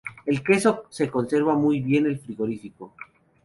El queso se conserva muy bien el frigorífico.